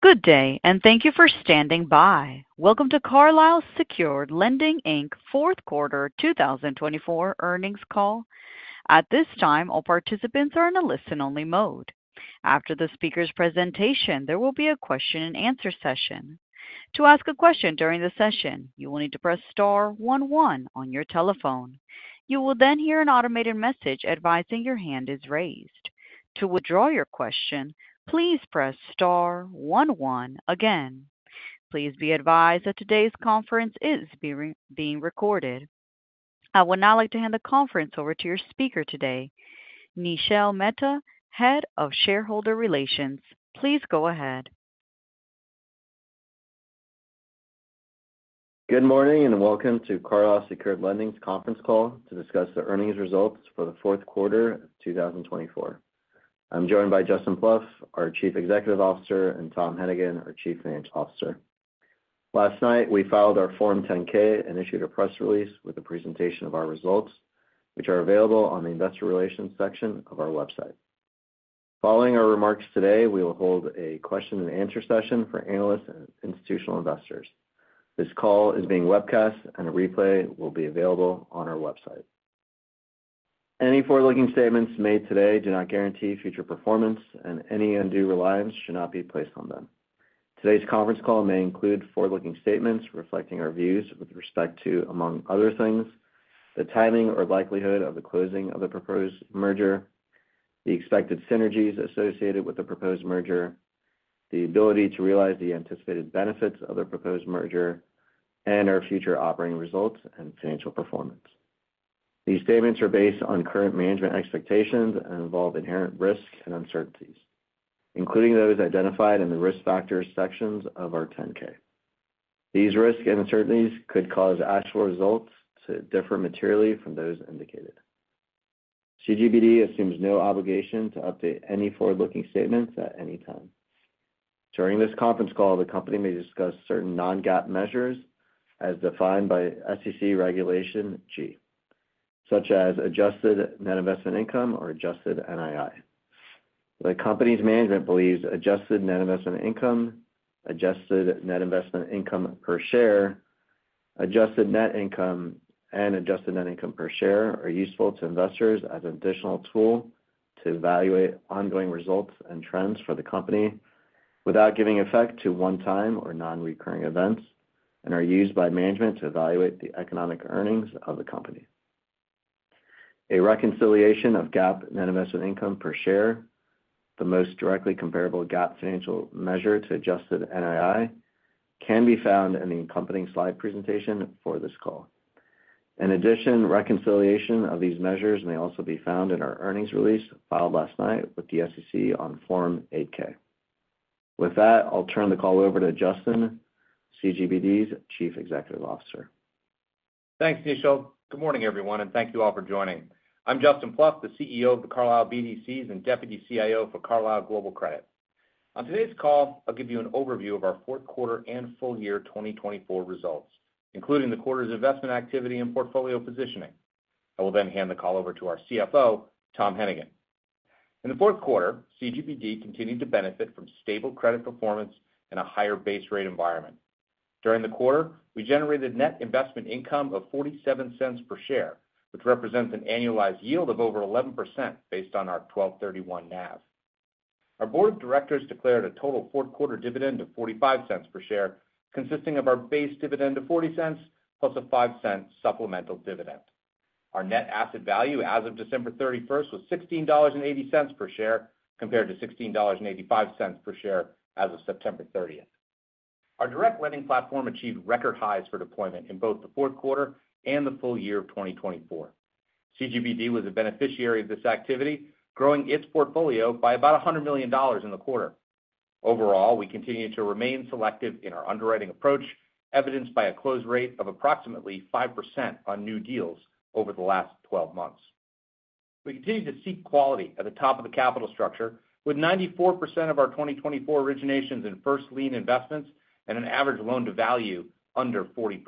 Good day, and thank you for standing by. Welcome to Carlyle Secured Lending, Inc fourth quarter 2024 earnings call. At this time, all participants are in a listen-only mode. After the speaker's presentation, there will be a question-and-answer session. To ask a question during the session, you will need to press star one one on your telephone. You will then hear an automated message advising your hand is raised. To withdraw your question, please press star one one again. Please be advised that today's conference is being recorded. I would now like to hand the conference over to your speaker today, Nishil Mehta, Head of Shareholder Relations. Please go ahead. Good morning and welcome to Carlyle Secured Lending's conference call to discuss the earnings results for the fourth quarter of 2024. I'm joined by Justin Plouffe, our Chief Executive Officer, and Tom Hennigan, our Chief Financial Officer. Last night, we filed our Form 10-K and issued a press release with a presentation of our results, which are available on the Investor Relations section of our website. Following our remarks today, we will hold a question-and-answer session for analysts and institutional investors. This call is being webcast, and a replay will be available on our website. Any forward-looking statements made today do not guarantee future performance, and any undue reliance should not be placed on them. Today's conference call may include forward-looking statements reflecting our views with respect to, among other things, the timing or likelihood of the closing of the proposed merger, the expected synergies associated with the proposed merger, the ability to realize the anticipated benefits of the proposed merger, and our future operating results and financial performance. These statements are based on current management expectations and involve inherent risks and uncertainties, including those identified in the risk factors sections of our 10-K. These risks and uncertainties could cause actual results to differ materially from those indicated. CGBD assumes no obligation to update any forward-looking statements at any time. During this conference call, the company may discuss certain non-GAAP measures as defined by SEC Regulation G, such as adjusted net investment income or adjusted NII. The company's management believes adjusted net investment income, adjusted net investment income per share, adjusted net income, and adjusted net income per share are useful to investors as an additional tool to evaluate ongoing results and trends for the company without giving effect to one-time or non-recurring events and are used by management to evaluate the economic earnings of the company. A reconciliation of GAAP net investment income per share, the most directly comparable GAAP financial measure to adjusted NII, can be found in the accompanying slide presentation for this call. In addition, reconciliation of these measures may also be found in our earnings release filed last night with the SEC on Form 8-K. With that, I'll turn the call over to Justin, CGBD's Chief Executive Officer. Thanks, Nishil. Good morning, everyone, and thank you all for joining. I'm Justin Plouffe, the CEO of the Carlyle BDCs and Deputy CIO for Carlyle Global Credit. On today's call, I'll give you an overview of our fourth quarter and full year 2024 results, including the quarter's investment activity and portfolio positioning. I will then hand the call over to our CFO, Tom Hennigan. In the fourth quarter, CGBD continued to benefit from stable credit performance and a higher base rate environment. During the quarter, we generated net investment income of $0.47 per share, which represents an annualized yield of over 11% based on our 12/31 NAV. Our board of directors declared a total fourth quarter dividend of $0.45 per share, consisting of our base dividend of $0.40 plus a $0.05 supplemental dividend. Our net asset value as of December 31st was $16.80 per share compared to $16.85 per share as of September 30th. Our direct lending platform achieved record highs for deployment in both the fourth quarter and the full year of 2024. CGBD was a beneficiary of this activity, growing its portfolio by about $100 million in the quarter. Overall, we continue to remain selective in our underwriting approach, evidenced by a close rate of approximately 5% on new deals over the last 12 months. We continue to seek quality at the top of the capital structure, with 94% of our 2024 originations in first lien investments and an average loan-to-value under 40%.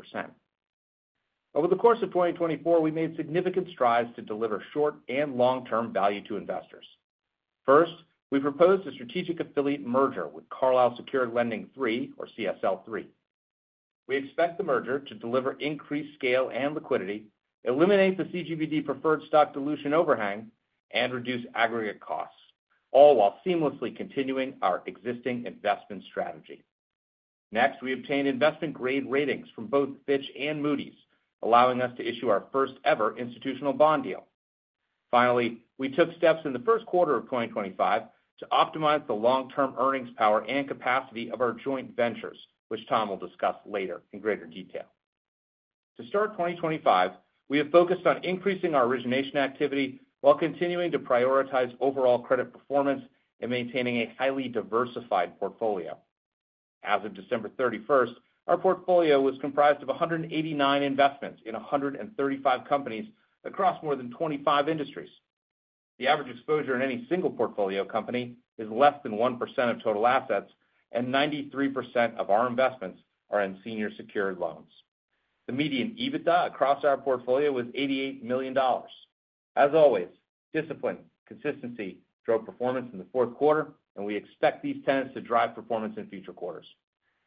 Over the course of 2024, we made significant strides to deliver short and long-term value to investors. First, we proposed a strategic affiliate merger with Carlyle Secured Lending III, or CSL III. We expect the merger to deliver increased scale and liquidity, eliminate the CGBD preferred stock dilution overhang, and reduce aggregate costs, all while seamlessly continuing our existing investment strategy. Next, we obtained investment-grade ratings from both Fitch and Moody's, allowing us to issue our first-ever institutional bond deal. Finally, we took steps in the first quarter of 2025 to optimize the long-term earnings power and capacity of our joint ventures, which Tom will discuss later in greater detail. To start 2025, we have focused on increasing our origination activity while continuing to prioritize overall credit performance and maintaining a highly diversified portfolio. As of December 31st, our portfolio was comprised of 189 investments in 135 companies across more than 25 industries. The average exposure in any single portfolio company is less than 1% of total assets, and 93% of our investments are in senior secured loans. The median EBITDA across our portfolio was $88 million. As always, discipline, consistency drove performance in the fourth quarter, and we expect these tenets to drive performance in future quarters.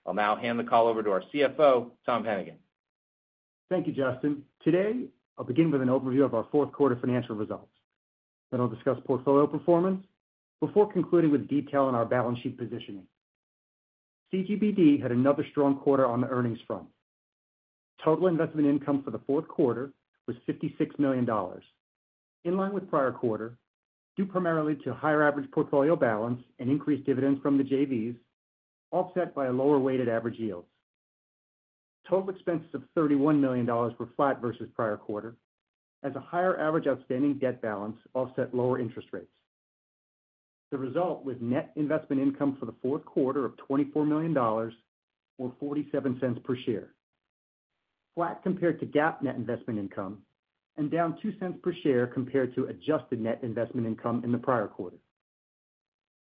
I'll now hand the call over to our CFO, Tom Hennigan. Thank you, Justin. Today, I'll begin with an overview of our fourth quarter financial results, then I'll discuss portfolio performance before concluding with detail on our balance sheet positioning. CGBD had another strong quarter on the earnings front. Total investment income for the fourth quarter was $56 million. In line with prior quarter, due primarily to higher average portfolio balance and increased dividends from the JVs, offset by lower weighted average yields. Total expenses of $31 million were flat versus prior quarter, as a higher average outstanding debt balance offset lower interest rates. The result was net investment income for the fourth quarter of $24 million, or $0.47 per share, flat compared to GAAP net investment income and down $0.02 per share compared to adjusted net investment income in the prior quarter.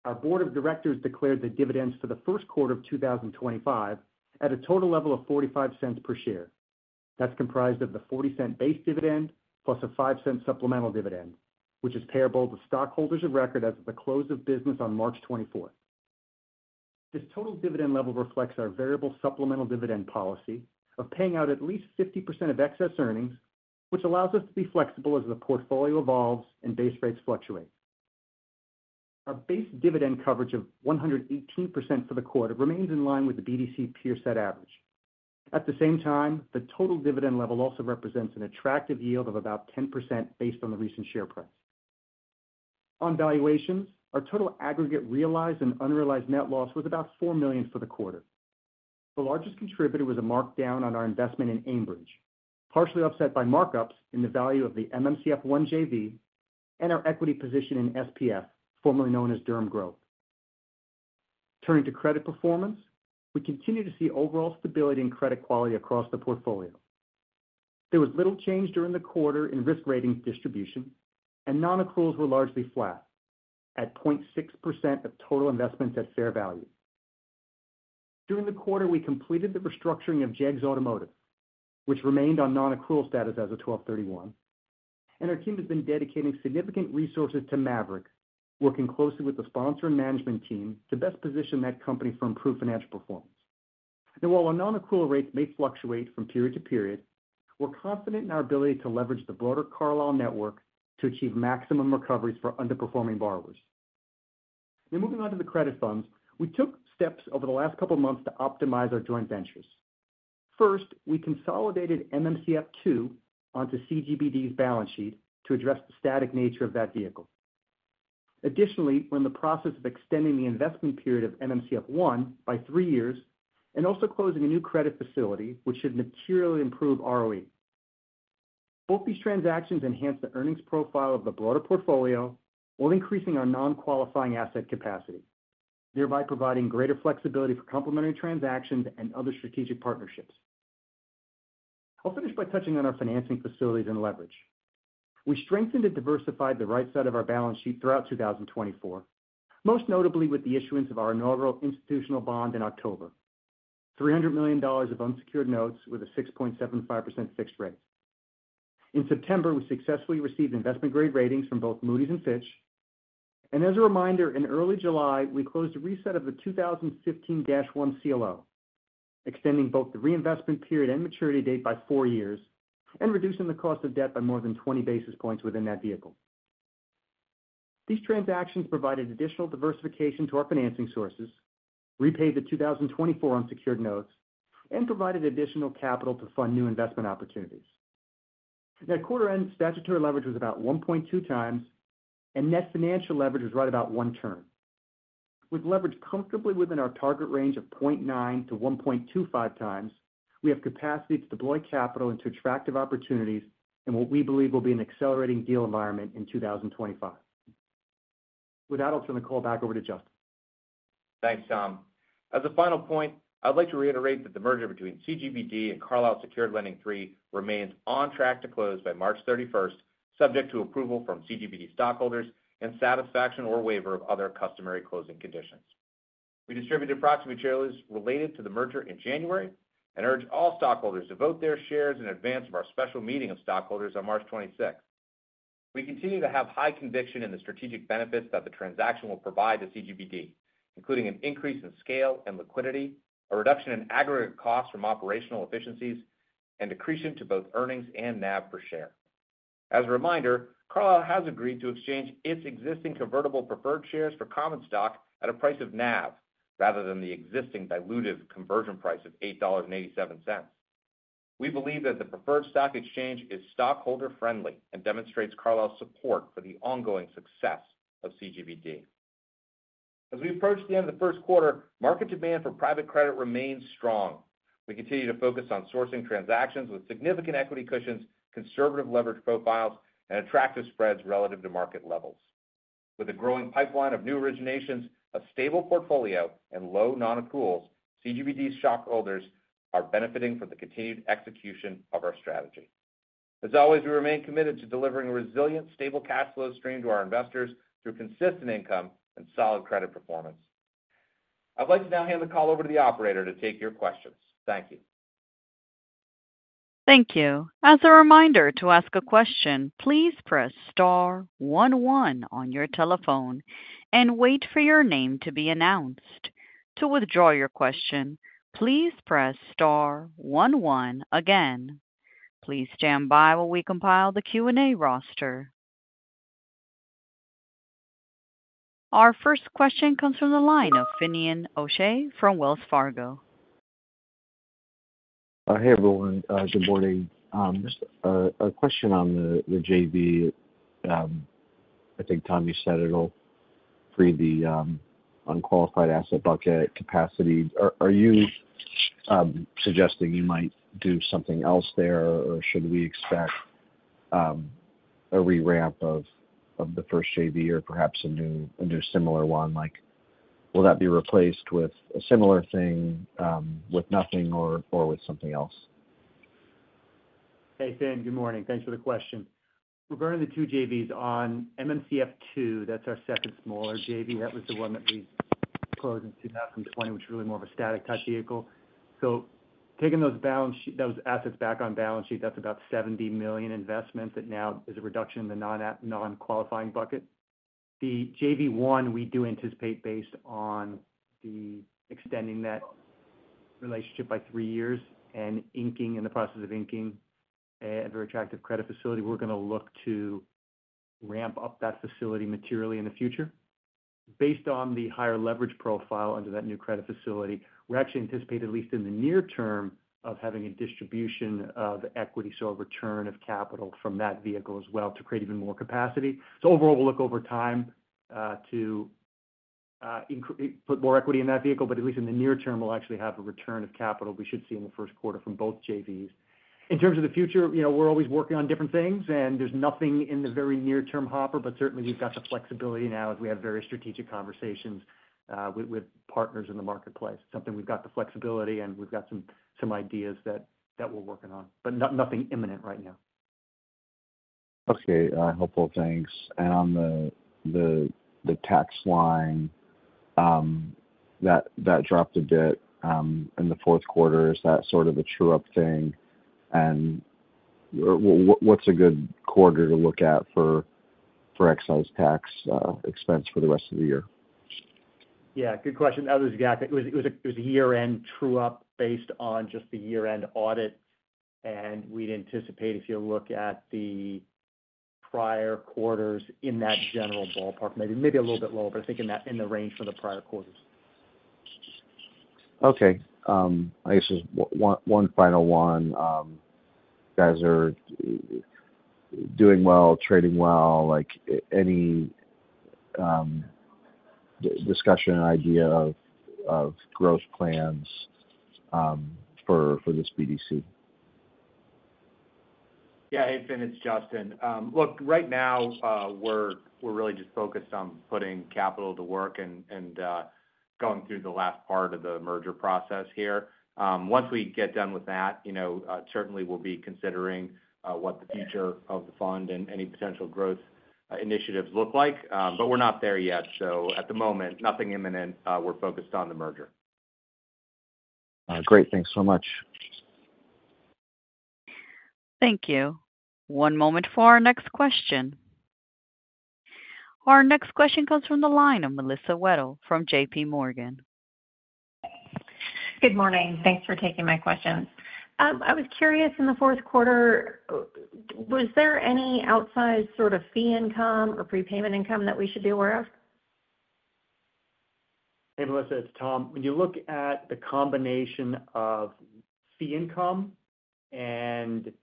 Our board of directors declared the dividends for the first quarter of 2025 at a total level of $0.45 per share. That's comprised of the $0.40 base dividend plus a $0.05 supplemental dividend, which is payable to stockholders of record as of the close of business on March 24th. This total dividend level reflects our variable supplemental dividend policy of paying out at least 50% of excess earnings, which allows us to be flexible as the portfolio evolves and base rates fluctuate. Our base dividend coverage of 118% for the quarter remains in line with the BDC peer set average. At the same time, the total dividend level also represents an attractive yield of about 10% based on the recent share price. On valuations, our total aggregate realized and unrealized net loss was about $4 million for the quarter. The largest contributor was a markdown on our investment in Ambridge, partially offset by markups in the value of the MMCF I JV and our equity position in SPF, formerly known as Derm Growth. Turning to credit performance, we continue to see overall stability in credit quality across the portfolio. There was little change during the quarter in risk rating distribution, and non-accruals were largely flat at 0.6% of total investments at fair value. During the quarter, we completed the restructuring of JEGS Automotive, which remained on non-accrual status as of December 31, and our team has been dedicating significant resources to Maverick, working closely with the sponsor and management team to best position that company for improved financial performance, and while our non-accrual rates may fluctuate from period to period, we're confident in our ability to leverage the broader Carlyle network to achieve maximum recoveries for underperforming borrowers. Now, moving on to the credit funds, we took steps over the last couple of months to optimize our joint ventures. First, we consolidated MMCF II onto CGBD's balance sheet to address the static nature of that vehicle. Additionally, we're in the process of extending the investment period of MMCF I by three years and also closing a new credit facility, which should materially improve ROE. Both these transactions enhance the earnings profile of the broader portfolio while increasing our non-qualifying asset capacity, thereby providing greater flexibility for complementary transactions and other strategic partnerships. I'll finish by touching on our financing facilities and leverage. We strengthened and diversified the right side of our balance sheet throughout 2024, most notably with the issuance of our inaugural institutional bond in October, $300 million of unsecured notes with a 6.75% fixed rate. In September, we successfully received investment-grade ratings from both Moody's and Fitch. As a reminder, in early July, we closed a reset of the 2015-1 CLO, extending both the reinvestment period and maturity date by four years and reducing the cost of debt by more than 20 basis points within that vehicle. These transactions provided additional diversification to our financing sources, repaid the 2024 unsecured notes, and provided additional capital to fund new investment opportunities. That quarter-end statutory leverage was about 1.2x, and net financial leverage was right about one turn. With leverage comfortably within our target range of 0.9-1.25x, we have capacity to deploy capital into attractive opportunities in what we believe will be an accelerating deal environment in 2025. With that, I'll turn the call back over to Justin. Thanks, Tom. As a final point, I'd like to reiterate that the merger between CGBD and Carlyle Secured Lending III remains on track to close by March 31st, subject to approval from CGBD stockholders and satisfaction or waiver of other customary closing conditions. We distributed proxy materials related to the merger in January and urged all stockholders to vote their shares in advance of our special meeting of stockholders on March 26th. We continue to have high conviction in the strategic benefits that the transaction will provide to CGBD, including an increase in scale and liquidity, a reduction in aggregate costs from operational efficiencies, and accretion to both earnings and NAV per share. As a reminder, Carlyle has agreed to exchange its existing convertible preferred shares for common stock at a price of NAV rather than the existing dilutive conversion price of $8.87. We believe that the preferred stock exchange is stockholder-friendly and demonstrates Carlyle's support for the ongoing success of CGBD. As we approach the end of the first quarter, market demand for private credit remains strong. We continue to focus on sourcing transactions with significant equity cushions, conservative leverage profiles, and attractive spreads relative to market levels. With a growing pipeline of new originations, a stable portfolio, and low non-accruals, CGBD's stockholders are benefiting from the continued execution of our strategy. As always, we remain committed to delivering a resilient, stable cash flow stream to our investors through consistent income and solid credit performance. I'd like to now hand the call over to the operator to take your questions. Thank you. Thank you. As a reminder to ask a question, please press star one one on your telephone and wait for your name to be announced. To withdraw your question, please press star 11 again. Please stand by while we compile the Q&A roster. Our first question comes from the line of Finian O'Shea from Wells Fargo. Hi, everyone. Just a question on the JV. I think Tom, you said it'll free the unqualified asset bucket capacity. Are you suggesting you might do something else there, or should we expect a reramp of the first JV or perhaps a new similar one? Will that be replaced with a similar thing with nothing or with something else? Hey, Finian. Good morning. Thanks for the question. Regarding the two JVs on MMCF II, that's our second smaller JV. That was the one that we closed in 2020, which was really more of a static-type vehicle. So taking those assets back on balance sheet, that's about $70 million investment that now is a reduction in the non-qualifying bucket. The JV1, we do anticipate based on extending that relationship by three years and in the process of inking a very attractive credit facility. We're going to look to ramp up that facility materially in the future. Based on the higher leverage profile under that new credit facility, we actually anticipate at least in the near term of having a distribution of equity, so a return of capital from that vehicle as well to create even more capacity. So overall, we'll look over time to put more equity in that vehicle, but at least in the near term, we'll actually have a return of capital we should see in the first quarter from both JVs. In terms of the future, we're always working on different things, and there's nothing in the very near-term hopper, but certainly, we've got the flexibility now as we have various strategic conversations with partners in the marketplace. It's something we've got the flexibility, and we've got some ideas that we're working on, but nothing imminent right now. Okay. Helpful. Thanks. And on the tax line, that dropped a bit in the fourth quarter. Is that sort of a true-up thing? And what's a good quarter to look at for excise tax expense for the rest of the year? Yeah. Good question. That was exactly. It was a year-end true-up based on just the year-end audit, and we'd anticipate, if you look at the prior quarters in that general ballpark, maybe a little bit lower, but I think in the range from the prior quarters. Okay. I guess one final one. You guys are doing well, trading well. Any discussion or idea of growth plans for this BDC? Yeah. Hey, Finian. It's Justin. Look, right now, we're really just focused on putting capital to work and going through the last part of the merger process here. Once we get done with that, certainly, we'll be considering what the future of the fund and any potential growth initiatives look like, but we're not there yet. So at the moment, nothing imminent. We're focused on the merger. Great. Thanks so much. Thank you. One moment for our next question. Our next question comes from the line of Melissa Wedel from JPMorgan. Good morning. Thanks for taking my question. I was curious, in the fourth quarter, was there any outsized sort of fee income or prepayment income that we should be aware of? Hey, Melissa. It's Tom. When you look at the combination of fee income and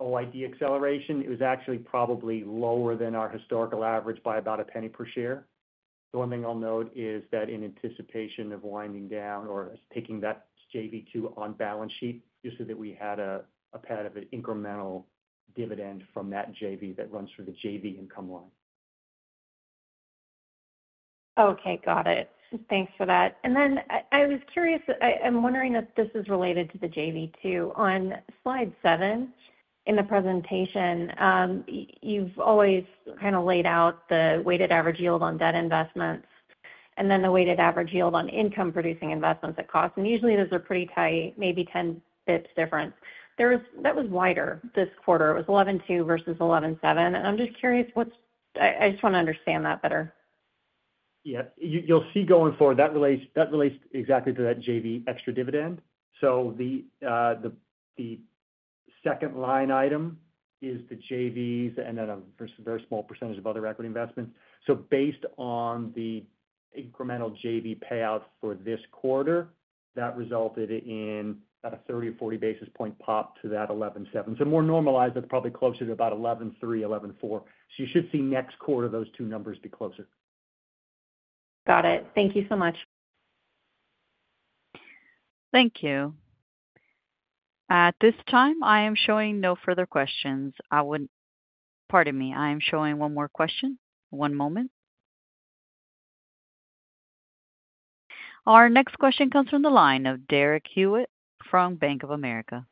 OID acceleration, it was actually probably lower than our historical average by about $0.01 per share. The one thing I'll note is that in anticipation of winding down or taking that JV2 on balance sheet, just so that we had a kind of an incremental dividend from that JV that runs through the JV income line. Okay. Got it. Thanks for that. And then I was curious. I'm wondering if this is related to the JV2. On slide seven in the presentation, you've always kind of laid out the weighted average yield on debt investments and then the weighted average yield on income-producing investments at cost. And usually, those are pretty tight, maybe 10 basis points different. That was wider this quarter. It was 11.2 versus 11.7. And I'm just curious. I just want to understand that better. Yeah. You'll see going forward, that relates exactly to that JV extra dividend. So the second line item is the JVs and then a very small percentage of other equity investments. So based on the incremental JV payout for this quarter, that resulted in about a 30 or 40 basis point pop to that 11.7. So more normalized, that's probably closer to about 11.3, 11.4. So you should see next quarter those two numbers be closer. Got it. Thank you so much. Thank you. At this time, I am showing no further questions. Pardon me. I am showing one more question. One moment. Our next question comes from the line of Derek Hewett from Bank of America.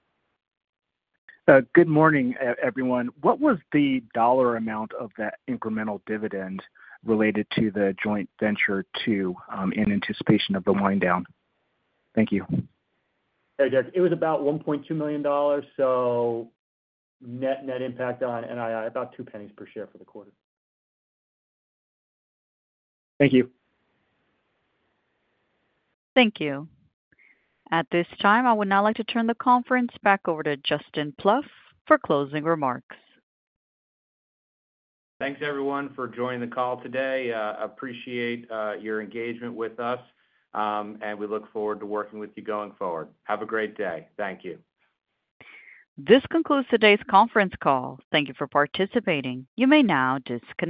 Good morning, everyone. What was the dollar amount of that incremental dividend related to the joint venture too in anticipation of the wind down? Thank you. Hey, Derek. It was about $1.2 million. So net impact on NII, about $0.02 per share for the quarter. Thank you. Thank you. At this time, I would now like to turn the conference back over to Justin Plouffe for closing remarks. Thanks, everyone, for joining the call today. I appreciate your engagement with us, and we look forward to working with you going forward. Have a great day. Thank you. This concludes today's conference call. Thank you for participating. You may now disconnect.